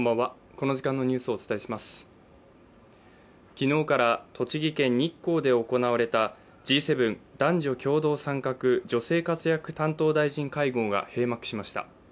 昨日から栃木県日光で行われたＧ７男女共同参画・女性活躍担当大臣会合が閉幕しました。